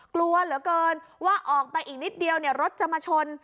กลัวเหลือเกินว่าออกไปอีกนิดเดียวรถจะมาชน